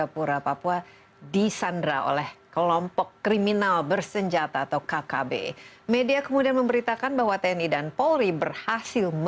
pembelian tni dan polri